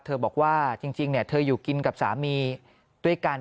บอกว่าจริงเธออยู่กินกับสามีด้วยกัน